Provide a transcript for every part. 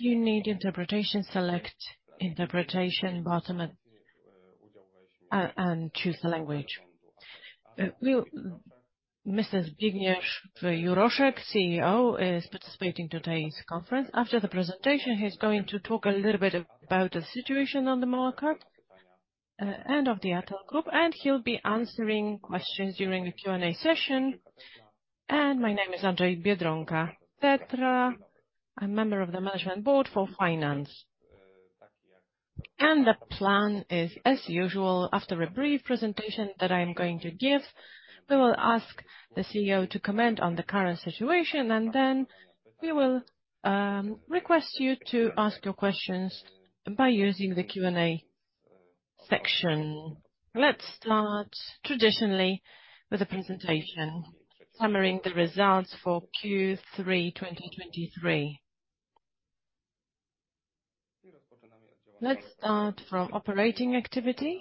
If you need interpretation, select the interpretation button, and choose the language. Mr. Zbigniew Juroszek, CEO, is participating in today's conference. After the presentation, he's going to talk a little bit about the situation on the market, and of the Atal Group, and he'll be answering questions during the Q&A session. My name is Andrzej Biedronka-Tetla. I'm member of the Management Board for Finance. The plan is, as usual, after a brief presentation that I'm going to give, we will ask the CEO to comment on the current situation, and then we will request you to ask your questions by using the Q&A section. Let's start traditionally with a presentation, summarizing the results for Q3 2023. Let's start from operating activity.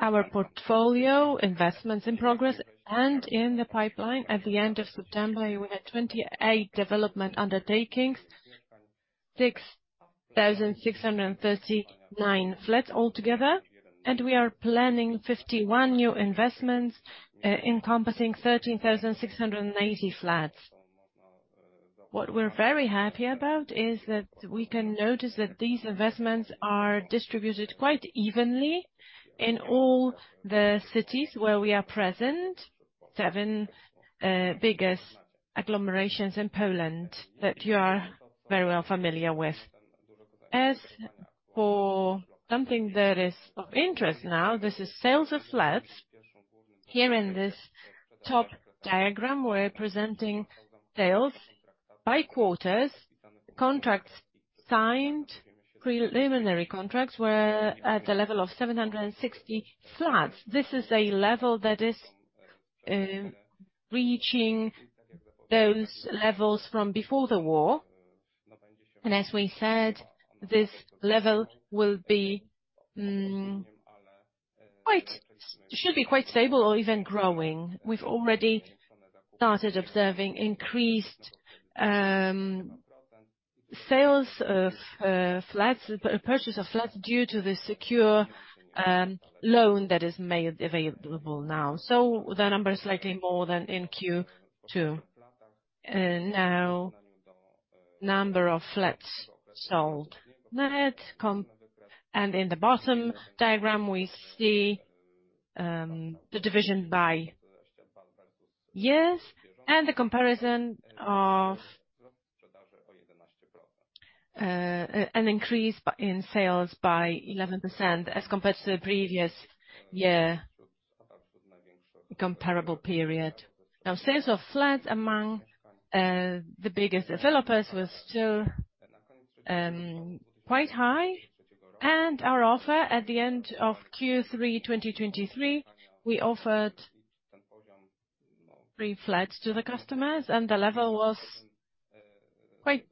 Our portfolio, investments in progress, and in the pipeline at the end of September, we had 28 development undertakings, 6,639 flats altogether, and we are planning 51 new investments, encompassing 13,680 flats. What we're very happy about is that we can notice that these investments are distributed quite evenly in all the cities where we are present. Seven biggest agglomerations in Poland, that you are very well familiar with. As for something that is of interest now, this is sales of flats. Here in this top diagram, we're presenting sales by quarters. Contracts signed, preliminary contracts, were at a level of 760 flats. This is a level that is reaching those levels from before the war. And as we said, this level will be quite stable or even growing. We've already started observing increased sales of flats purchase of flats due to the secure loan that is made available now, so the number is slightly more than in Q2. Now, number of flats sold net and in the bottom diagram, we see the division by years and the comparison of an increase by in sales by 11% as compared to the previous year comparable period. Now, sales of flats among the biggest developers was still quite high. Our offer at the end of Q3 2023, we offered free flats to the customers, and the level was quite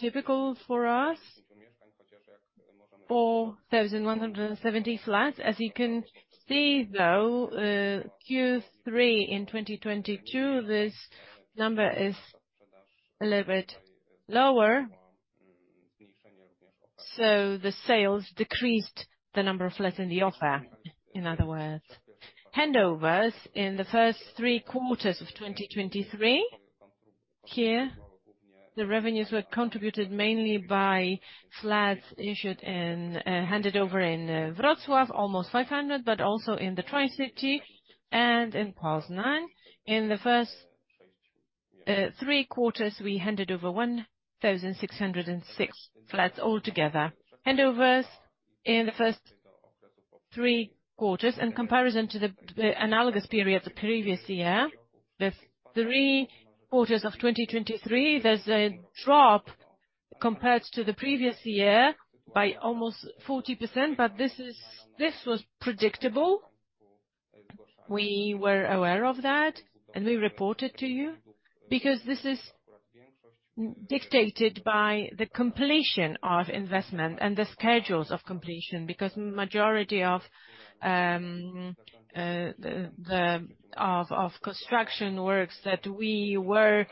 typical for us, 4,170 flats. As you can see, though, Q3 in 2022, this number is a little bit lower, so the sales decreased the number of flats in the offer, in other words. Handovers in the first three quarters of 2023, here, the revenues were contributed mainly by flats issued in, handed over in Wrocław, almost 500 flats, but also in the Tri-City and in Poznań. In the first, three quarters, we handed over 1,606 flats altogether. Handovers in the first three quarters, in comparison to the, the analogous period the previous year, the three quarters of 2023, there's a drop compared to the previous year by almost 40%, but this is, this was predictable. We were aware of that, and we reported to you. Because this is dictated by the completion of investment and the schedules of completion, because majority of the construction works that we were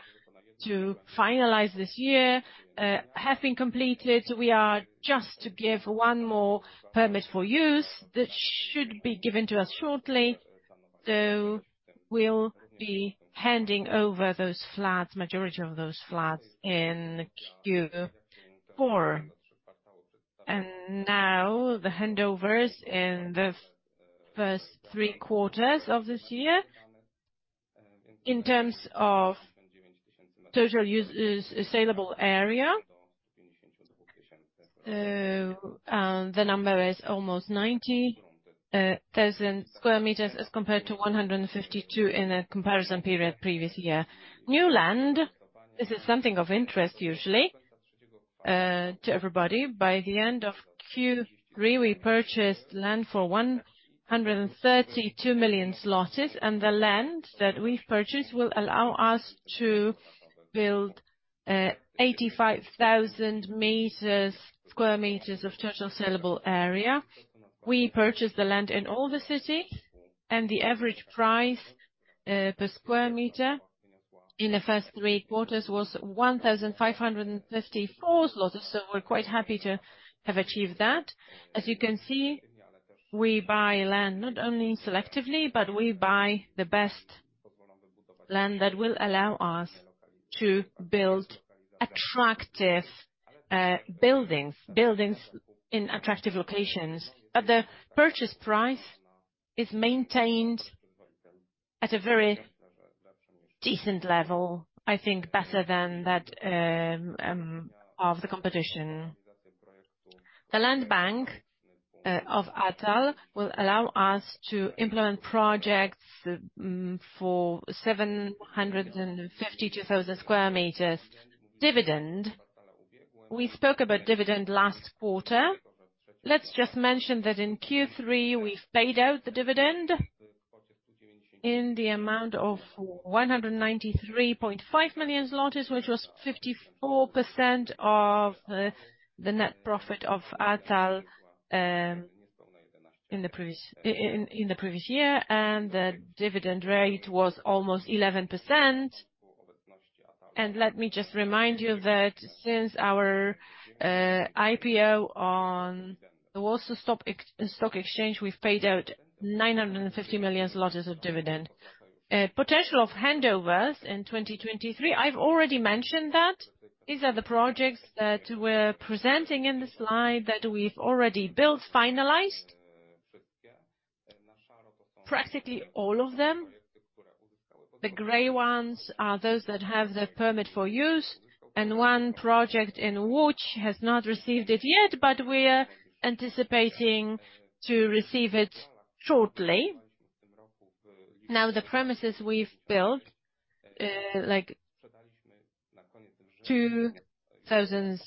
to finalize this year have been completed, so we are just to give one more permit for use. That should be given to us shortly, so we'll be handing over those flats, majority of those flats, in Q4. And now, the handovers in the first three quarters of this year, in terms of total saleable area, so the number is almost 90,000 square meters, as compared to 152 square meters in the comparison period previous year. New land, this is something of interest, usually, to everybody. By the end of Q3, we purchased land for 132 million zlotys, and the land that we've purchased will allow us to build-... 85,000 square meters of total sellable area. We purchased the land in all the cities, and the average price per square meter in the first three quarters was 1,554 zlotys, so we're quite happy to have achieved that. As you can see, we buy land not only selectively, but we buy the best land that will allow us to build attractive, buildings, buildings in attractive locations. But the purchase price is maintained at a very decent level, I think better than that of the competition. The land bank of Atal will allow us to implement projects for 752,000 square meters. Dividend. We spoke about dividend last quarter. Let's just mention that in Q3, we paid out the dividend in the amount of 193.5 million zlotys, which was 54% of the net profit of Atal in the previous year, and the dividend rate was almost 11%. And let me just remind you that since our IPO on the Warsaw Stock Exchange, we've paid out 950 million zlotys of dividend. Potential of handovers in 2023, I've already mentioned that. These are the projects that we're presenting in the slide that we've already built, finalized. Practically all of them, the gray ones are those that have the permit for use, and one project in Łódź has not received it yet, but we are anticipating to receive it shortly. Now, the premises we've built, like 2,756,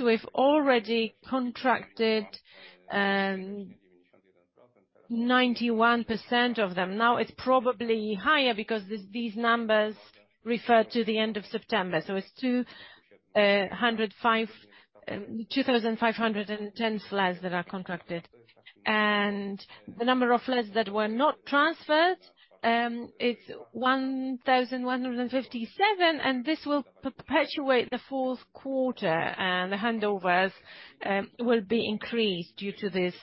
we've already contracted 91% of them. Now, it's probably higher because these numbers refer to the end of September, so it's 2,510 flats that are contracted. And the number of flats that were not transferred, it's 1,157, and this will populate the fourth quarter, and the handovers will be increased due to this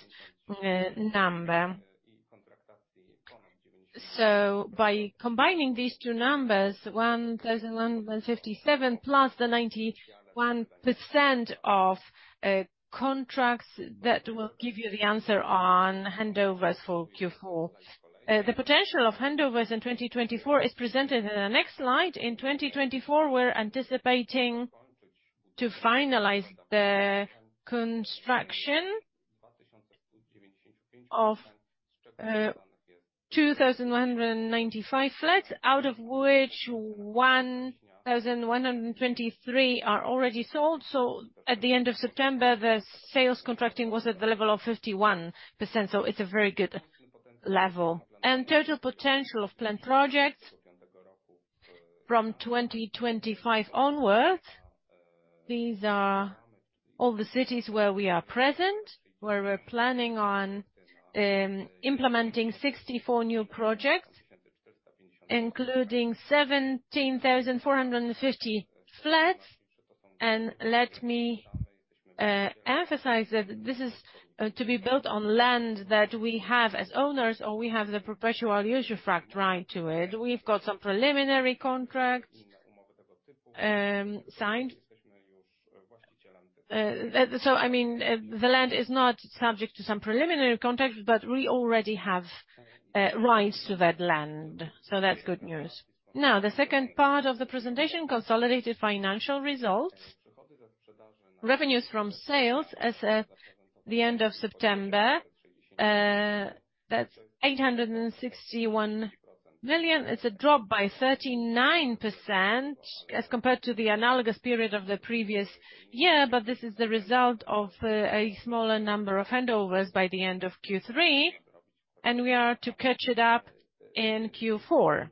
number. So by combining these two numbers, 1,157 plus the 91% of contracts, that will give you the answer on handovers for Q4. The potential of handovers in 2024 is presented in the next slide. In 2024, we're anticipating to finalize the construction of 2,195 flats, out of which 1,123 flats are already sold. So at the end of September, the sales contracting was at the level of 51%, so it's a very good level. And total potential of planned projects from 2025 onwards, these are all the cities where we are present, where we're planning on implementing 64 new projects, including 17,450 flats. And let me emphasize that this is to be built on land that we have as owners, or we have the Perpetual Usufruct right to it. We've got some preliminary contracts signed. I mean, the land is not subject to some preliminary contracts, but we already have rights to that land, so that's good news. Now, the second part of the presentation, consolidated financial results. Revenues from sales as at the end of September, that's 861 million. It's a drop by 39% as compared to the analogous period of the previous year, but this is the result of a smaller number of handovers by the end of Q3, and we are to catch it up in Q4.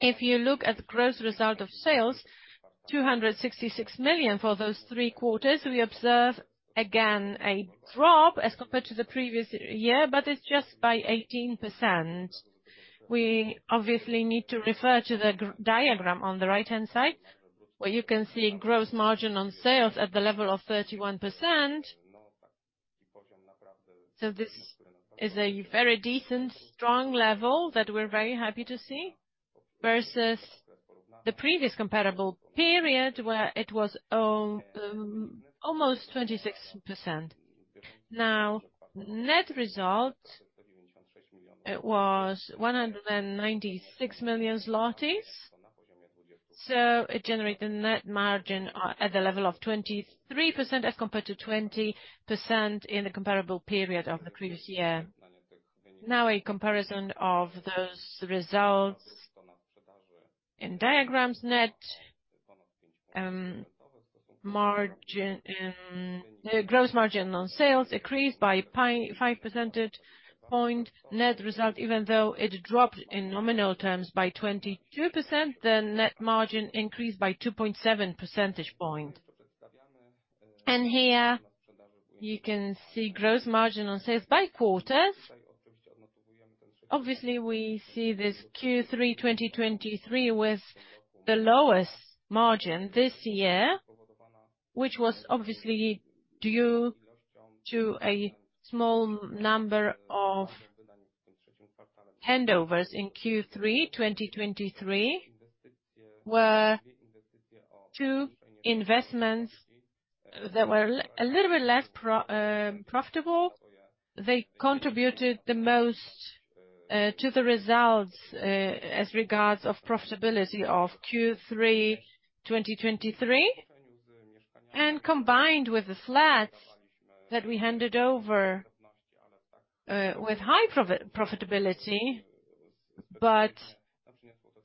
If you look at the gross result of sales, 266 million for those three quarters, we observe, again, a drop as compared to the previous year, but it's just by 18%. We obviously need to refer to the diagram on the right-hand side, where you can see gross margin on sales at the level of 31%. So this is a very decent, strong level that we're very happy to see, versus the previous comparable period, where it was almost 26%. Now, net result, it was 196 million zlotys, so it generated net margin at the level of 23%, as compared to 20% in the comparable period of the previous year. Now, a comparison of those results in diagrams. The gross margin on sales increased by five percentage point. Net result, even though it dropped in nominal terms by 22%, the net margin increased by 2.7 percentage point. And here you can see gross margin on sales by quarters. Obviously, we see this Q3 2023 with the lowest margin this year, which was obviously due to a small number of handovers in Q3 2023: there were two investments that were a little bit less profitable. They contributed the most to the results as regards of profitability of Q3 2023. And combined with the flats that we handed over with high profitability, but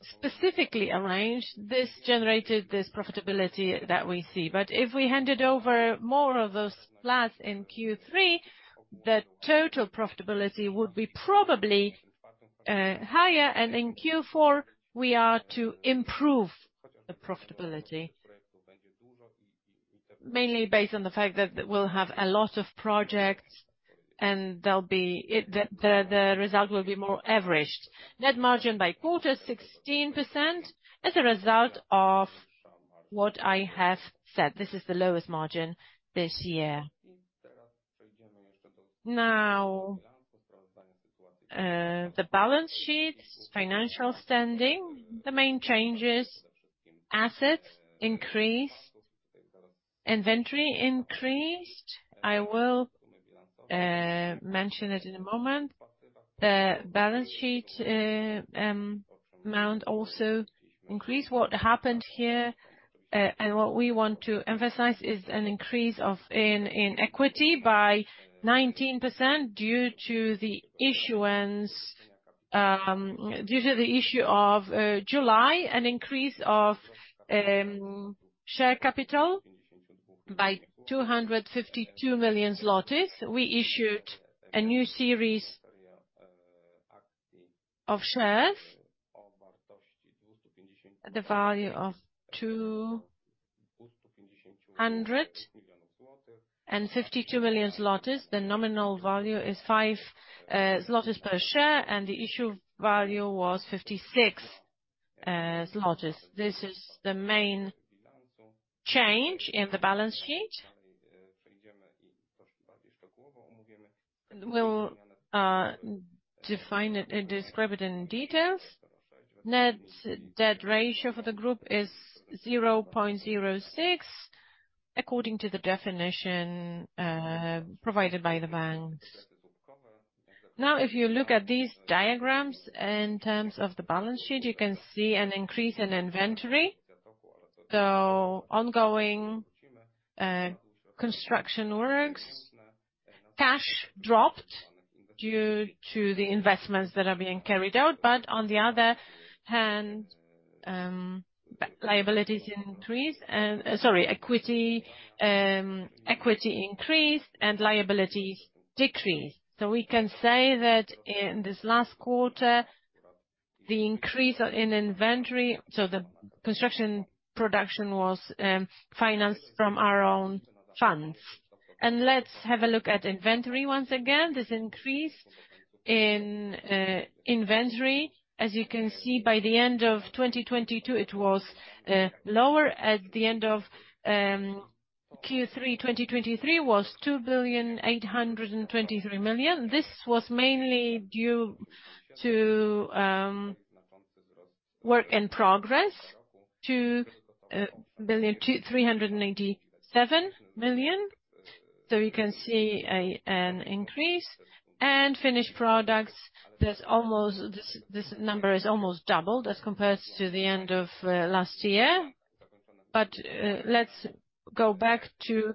specifically arranged, this generated this profitability that we see. But if we handed over more of those flats in Q3, the total profitability would be probably higher, and in Q4, we are to improve the profitability. Mainly based on the fact that we'll have a lot of projects, and there'll be the result will be more averaged. Net margin by quarter, 16%, as a result of what I have said. This is the lowest margin this year. Now, the balance sheets, financial standing, the main changes, assets increase, inventory increased. I will mention it in a moment. The balance sheet amount also increased. What happened here, and what we want to emphasize, is an increase in equity by 19% due to the issuance, due to the issue of July, an increase of share capital by 252 million zlotys. We issued a new series of shares at the value of 252 million. The nominal value is 5 per share, and the issue value was 56. This is the main change in the balance sheet. We'll define it and describe it in detail. Net debt ratio for the group is 0.06, according to the definition provided by the banks. Now, if you look at these diagrams in terms of the balance sheet, you can see an increase in inventory, so ongoing construction works. Cash dropped due to the investments that are being carried out, but on the other hand, liabilities increased and... Sorry, equity, equity increased and liabilities decreased. So we can say that in this last quarter, the increase in inventory, so the construction production was financed from our own funds. And let's have a look at inventory once again. This increase in inventory, as you can see, by the end of 2022, it was lower. At the end of Q3 2023 was 2,823 million. This was mainly due to work in progress to 387 million. So you can see an increase. And finished products, this number is almost doubled as compared to the end of last year. But let's go back to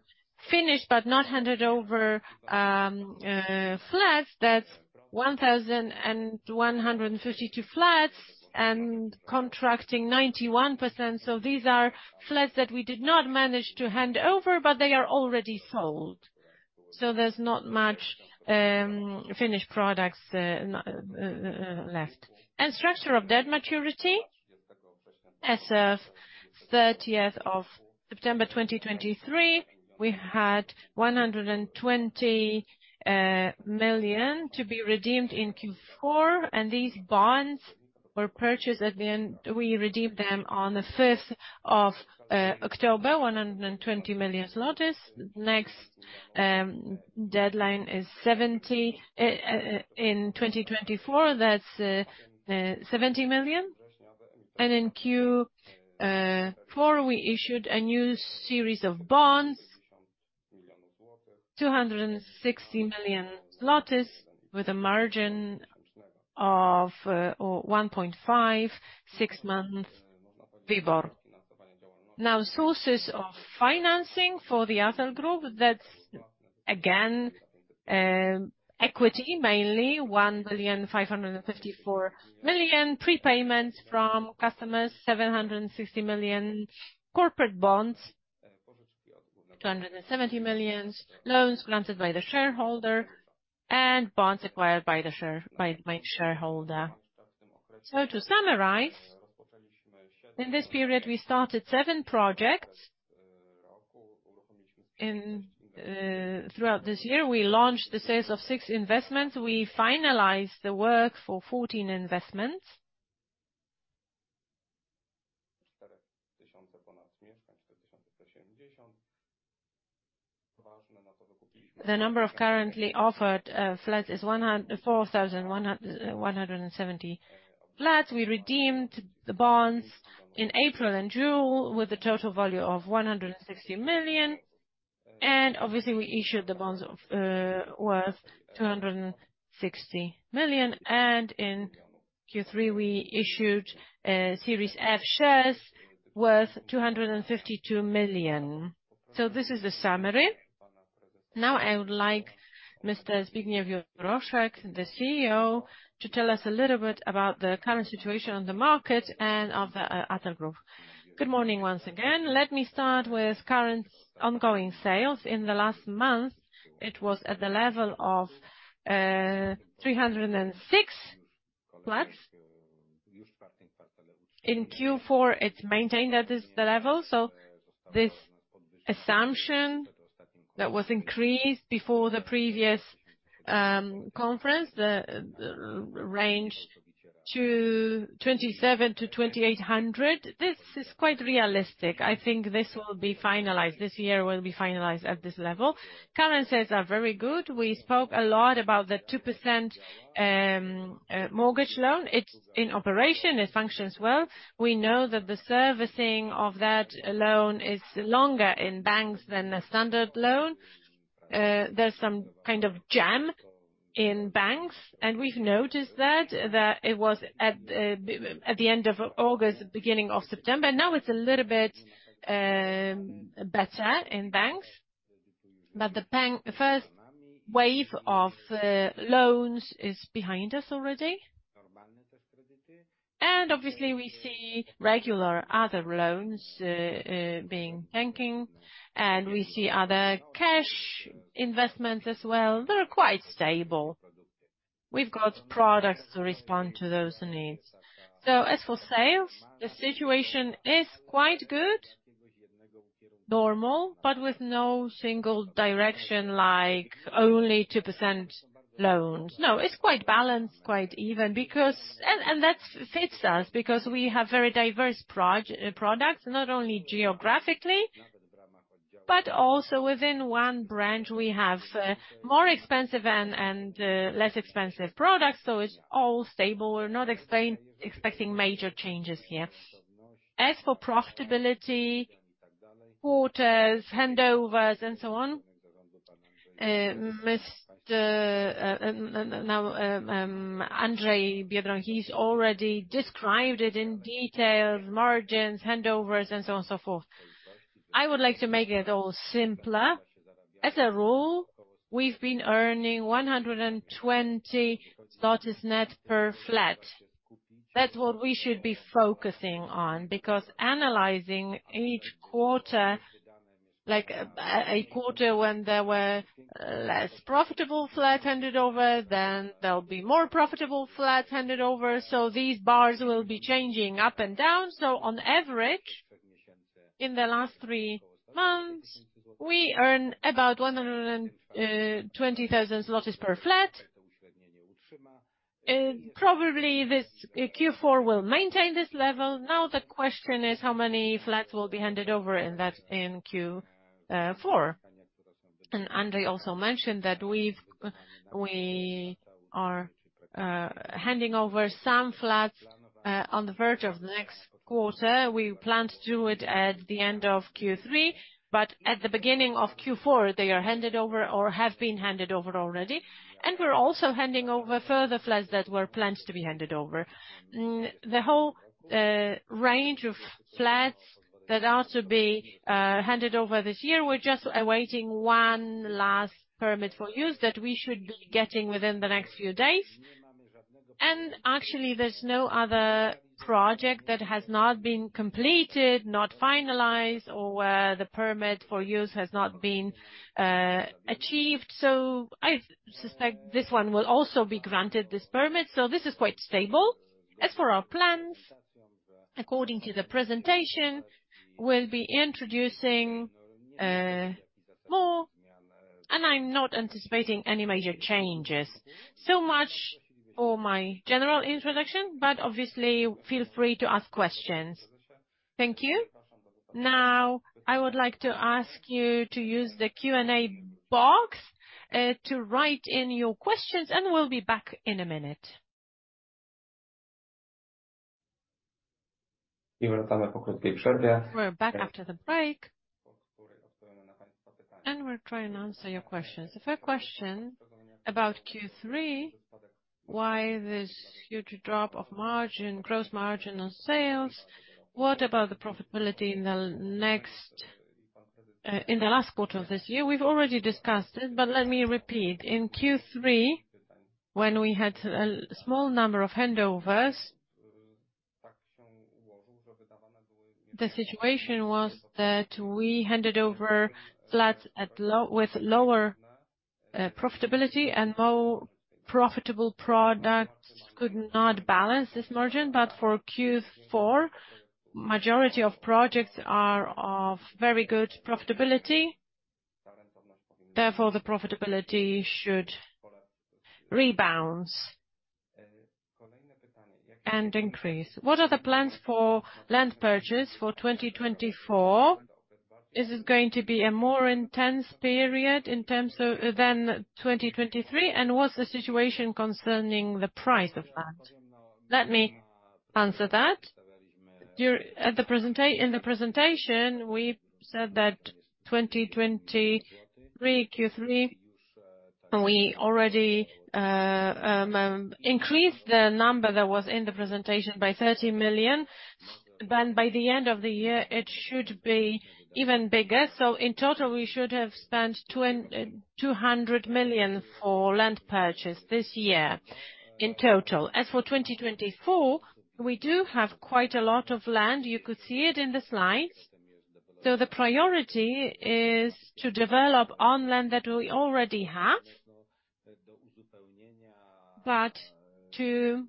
finished but not handed over flats. That's 1,152 flats and contracting 91%. So these are flats that we did not manage to hand over, but they are already sold. So there's not much finished products left. And structure of debt maturity. As of thirtieth of September 2023, we had 120 million to be redeemed in Q4, and these bonds were purchased at the end. We redeemed them on the fifth of October, 120 million zlotys. Next, deadline is 70 in 2024. That's 70 million. And in Q4, we issued a new series of bonds, 260 million, with a margin of 1.5, six-month WIBOR. Now, sources of financing for the Atal Group, that's equity, mainly 1,554 million, prepayments from customers, 760 million, corporate bonds, 270 million, loans granted by the shareholder, and bonds acquired by the shareholder. So to summarize, in this period, we started seven projects. Throughout this year, we launched the sales of six investments. We finalized the work for 14 investments. The number of currently offered flats is 4,170 flats. We redeemed the bonds in April and June, with a total value of 160 million, and obviously, we issued the bonds of worth 260 million, and in Q3, we issued Series F shares worth 252 million. So this is the summary. Now, I would like Mr. Zbigniew Juroszek, the CEO, to tell us a little bit about the current situation on the market and of the ATAL Group. Good morning, once again. Let me start with current ongoing sales. In the last month, it was at the level of 306 flats. In Q4, it's maintained at this level, so this assumption that was increased before the previous conference, the range to 2,700 flats-2,800 flats, this is quite realistic. I think this will be finalized, this year will be finalized at this level. Current sales are very good. We spoke a lot about the 2%, mortgage loan. It's in operation, it functions well. We know that the servicing of that loan is longer in banks than the standard loan. There's some kind of jam in banks, and we've noticed that it was at the end of August, beginning of September. Now, it's a little bit better in banks, but the first wave of loans is behind us already. And obviously, we see regular other loans being banking, and we see other cash investments as well. They're quite stable. We've got products to respond to those needs. So as for sales, the situation is quite good, normal, but with no single direction, like only 2% loans. No, it's quite balanced, quite even, because and that fits us because we have very diverse products, not only geographically, but also within one branch, we have more expensive and less expensive products, so it's all stable. We're not expecting major changes here. As for profitability, quarters, handovers, and so on, Mr. Andrzej Biedronka-Tetla, he's already described it in details, margins, handovers, and so on and so forth. I would like to make it all simpler. As a rule, we've been earning 120 PLN net per flat. That's what we should be focusing on, because analyzing each quarter, like a quarter when there were less profitable flat handed over, then there'll be more profitable flats handed over, so these bars will be changing up and down. On average, in the last three months, we earn about 120 thousand zlotys per flat. Probably, this Q4 will maintain this level. Now, the question is, how many flats will be handed over in that, in Q4? And Andrzej also mentioned that we've, we are handing over some flats on the verge of the next quarter. We plan to do it at the end of Q3, but at the beginning of Q4, they are handed over or have been handed over already. And we're also handing over further flats that were planned to be handed over. The whole range of flats that are to be handed over this year, we're just awaiting one last permit for use that we should be getting within the next few days. Actually, there's no other project that has not been completed, not finalized, or where the permit for use has not been achieved. So I suspect this one will also be granted this permit, so this is quite stable. As for our plans, according to the presentation, we'll be introducing more, and I'm not anticipating any major changes. So much for my general introduction, but obviously, feel free to ask questions. Thank you. Now, I would like to ask you to use the Q&A box to write in your questions, and we'll be back in a minute. We're back after the break, and we're trying to answer your questions. The first question about Q3. Why this huge drop of margin, gross margin on sales? What about the profitability in the last quarter of this year? We've already discussed it, but let me repeat. In Q3, when we had a small number of handovers, the situation was that we handed over flats at lower profitability, and more profitable products could not balance this margin. But for Q4, majority of projects are of very good profitability. Therefore, the profitability should rebound and increase. What are the plans for land purchase for 2024? Is it going to be a more intense period in terms of, than 2023? And what's the situation concerning the price of that? Let me answer that. In the presentation, we said that 2023, Q3, we already increased the number that was in the presentation by 30 million. Then by the end of the year, it should be even bigger. So in total, we should have spent 200 million for land purchase this year, in total. As for 2024, we do have quite a lot of land. You could see it in the slides. So the priority is to develop on land that we already have. But to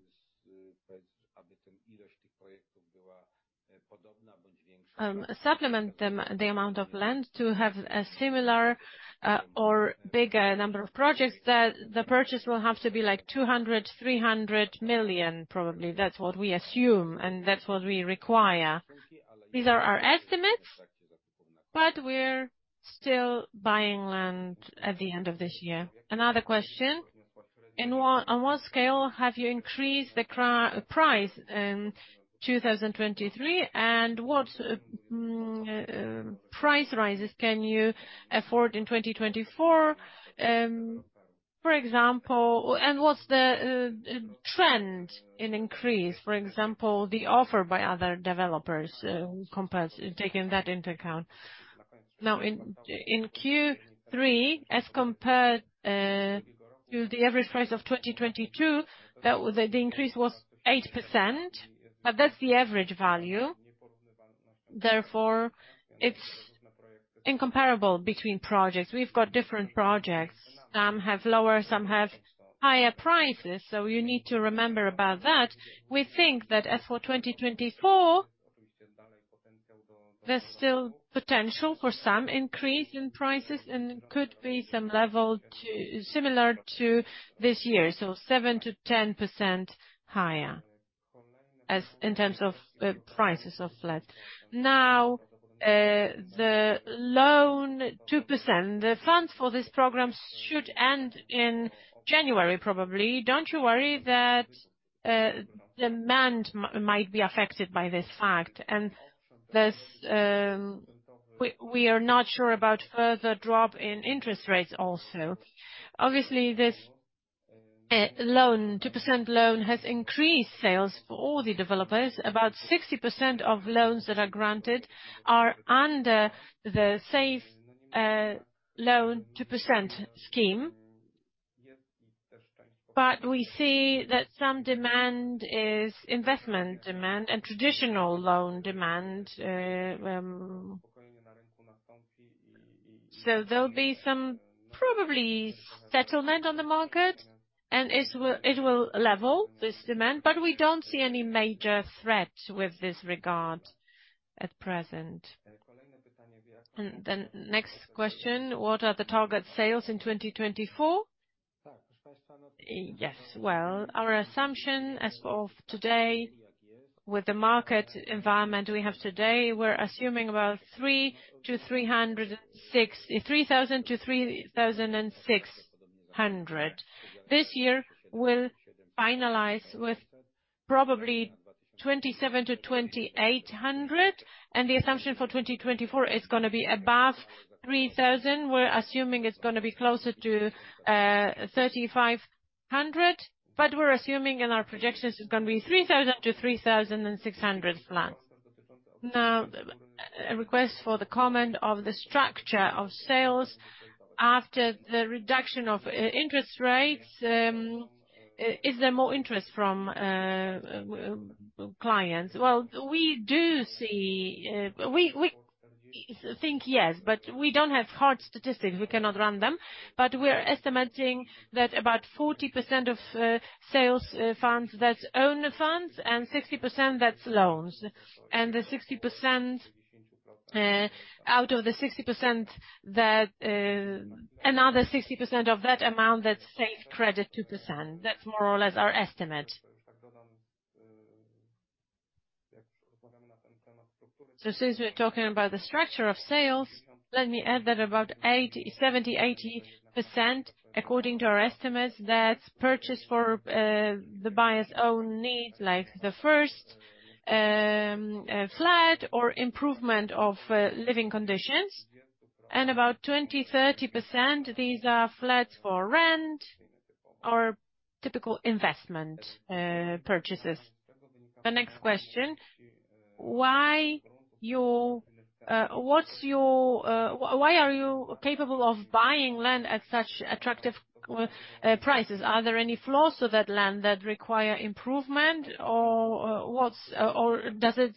supplement them, the amount of land, to have a similar or bigger number of projects, the purchase will have to be like 200 million-300 million, probably. That's what we assume, and that's what we require. These are our estimates, but we're still buying land at the end of this year. Another question: on what scale have you increased the price in 2023, and what price rises can you afford in 2024? For example, and what's the trend in increase, for example, the offer by other developers, who compares, taking that into account? Now, in Q3, as compared to the average price of 2022, the increase was 8%, but that's the average value. Therefore, it's incomparable between projects. We've got different projects. Some have lower, some have higher prices, so you need to remember about that. We think that as for 2024, there's still potential for some increase in prices, and it could be some level similar to this year, so 7%-10% higher, as in terms of prices of flat. Now, the 2% loan. The funds for this program should end in January, probably. Don't you worry that demand might be affected by this fact, and thus, we are not sure about further drop in interest rates also. Obviously, this 2% loan has increased sales for all the developers. About 60% of loans that are granted are under the Safe Loan 2% scheme. But we see that some demand is investment demand and traditional loan demand, so there'll be some probably settlement on the market, and it will level this demand, but we don't see any major threat with this regard at present. And then, next question: What are the target sales in 2024? Yes, well, our assumption as of today, with the market environment we have today, we're assuming about 3,000 flats-3,600 flats. This year will finalize with probably 2,700 flats-2,800 flats, and the assumption for 2024 is gonna be above 3,000 flats. We're assuming it's gonna be closer to 3,500 flats, but we're assuming in our projections, it's gonna be 3,000 flats-3,600 flats. Now, a request for the comment of the structure of sales after the reduction of interest rates, is there more interest from clients? Well, we do see, we think yes, but we don't have hard statistics. We cannot run them, but we're estimating that about 40% of sales funds, that's own funds, and 60%, that's loans. And the 60%, out of the 60% that, another 60% of that amount, that's Safe Credit 2%. That's more or less our estimate. So since we're talking about the structure of sales, let me add that about 70%-80%, according to our estimates, that's purchased for the buyer's own need, like the first flat or improvement of living conditions. And about 20%-30%, these are flats for rent or typical investment purchases. The next question: why are you capable of buying land at such attractive prices? Are there any flaws to that land that require improvement, or does it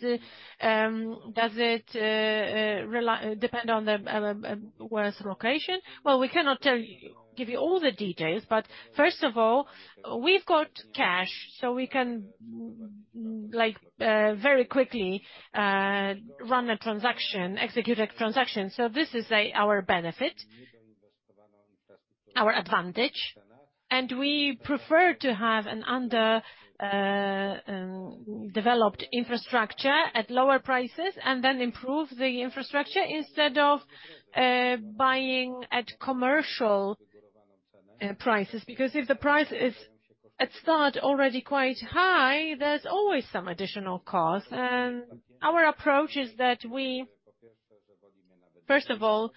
depend on the location? Well, we cannot tell you, give you all the details, but first of all, we've got cash, so we can, like, very quickly run a transaction, execute a transaction. This is, like, our benefit, our advantage, and we prefer to have an underdeveloped infrastructure at lower prices and then improve the infrastructure instead of buying at commercial prices. Because if the price is at start already quite high, there's always some additional cost. Our approach is that we, first of all,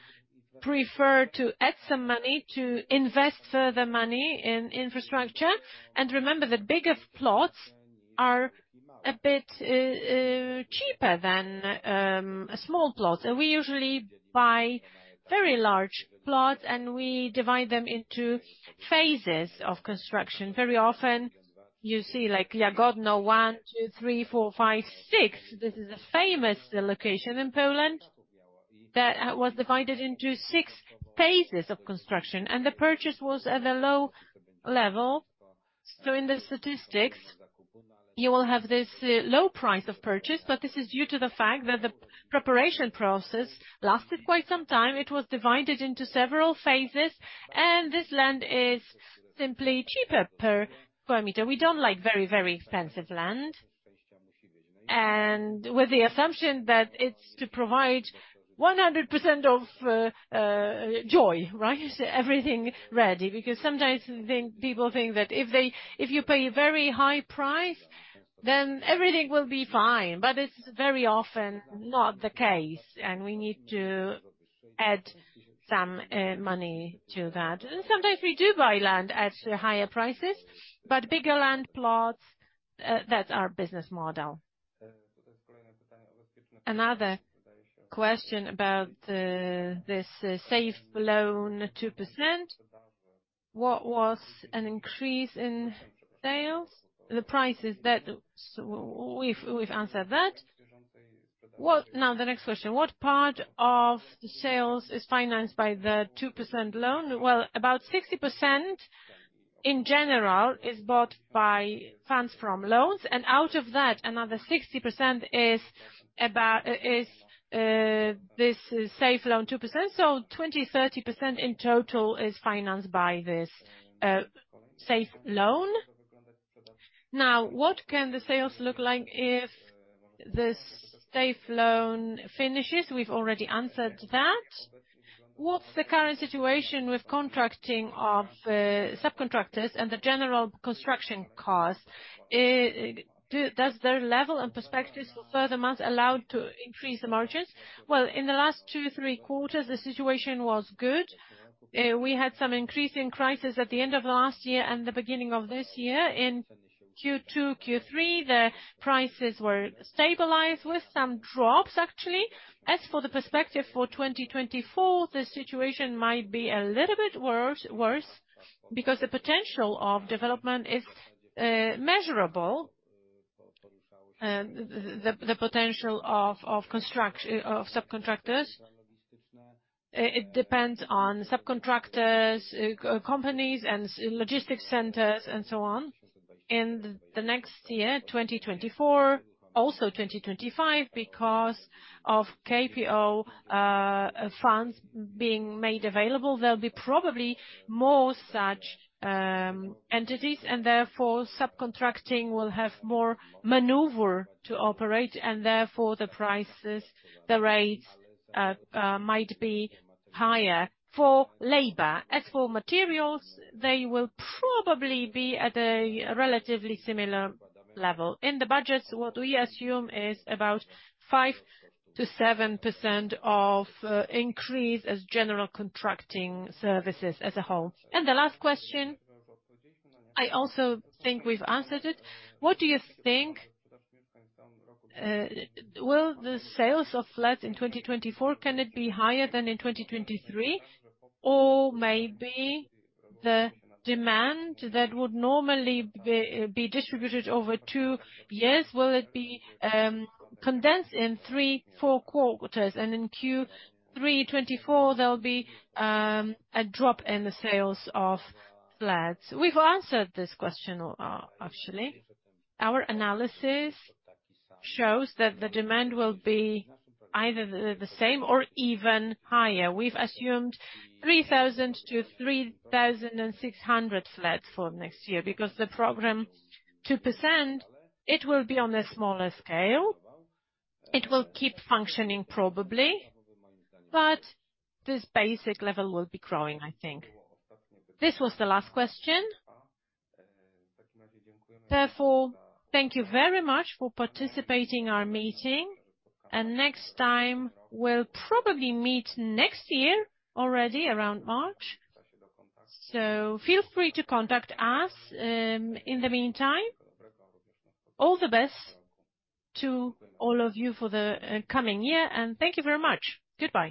prefer to add some money, to invest further money in infrastructure. Remember, the bigger plots are a bit cheaper than small plots. We usually buy very large plots, and we divide them into phases of construction. Very often, you see, like,. This is a famous location in Poland that was divided into six phases of construction, and the purchase was at a low level. So in the statistics, you will have this, low price of purchase, but this is due to the fact that the preparation process lasted quite some time. It was divided into several phases, and this land is simply cheaper per square meter. We don't like very, very expensive land, and with the assumption that it's to provide 100% of ROI, right? Everything ready. Because sometimes, people think that if they, if you pay a very high price, then everything will be fine, but it's very often not the case, and we need to add some, money to that. And sometimes we do buy land at higher prices, but bigger land plots, that's our business model. Another question about, this Safe Loan, 2%. What was an increase in sales? The prices that-- So we've, we've answered that. What... Now, the next question: What part of the sales is financed by the 2% loan? Well, about 60%, in general, is bought by funds from loans, and out of that, another 60% is about this Safe Loan, 2%. So 20%-30% in total is financed by this Safe Loan. Now, what can the sales look like if this Safe Loan finishes? We've already answered that. What's the current situation with contracting of subcontractors and the general construction cost? Does their level and perspectives for further months allowed to increase the margins? Well, in the last two to three quarters, the situation was good. We had some increasing prices at the end of last year and the beginning of this year. In Q2, Q3, the prices were stabilized with some drops, actually. As for the perspective for 2024, the situation might be a little bit worse because the potential of development is measurable, and the potential of subcontractors it depends on subcontractors companies, and logistics centers, and so on. In the next year, 2024, also 2025, because of KPO funds being made available, there'll be probably more such entities, and therefore, subcontracting will have more maneuver to operate, and therefore, the prices, the rates might be higher for labor. As for materials, they will probably be at a relatively similar level. In the budgets, what we assume is about 5%-7% increase as general contracting services as a whole. And the last question, I also think we've answered it: What do you think, will the sales of flats in 2024, can it be higher than in 2023? Or maybe the demand that would normally be distributed over two years, will it be condensed in 3-4 quarters, and in Q3 2024, there'll be a drop in the sales of flats? We've answered this question, actually. Our analysis shows that the demand will be either the same or even higher. We've assumed 3,000 to 3,600 flats for next year, because the program, 2%, it will be on a smaller scale. It will keep functioning, probably, but this basic level will be growing, I think. This was the last question. Therefore, thank you very much for participating in our meeting, and next time, we'll probably meet next year, already around March. So feel free to contact us, in the meantime. All the best to all of you for the coming year, and thank you very much. Goodbye.